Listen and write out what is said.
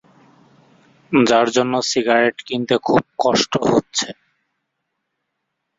তিনটি নাট মন্দির যা তিনটি বাড়ীর সামনে অবস্থিত।